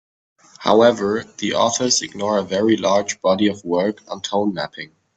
However, the authors ignore a very large body of work on tone mapping.